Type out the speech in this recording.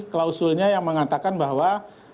klausulnya yang mengatakan bahwa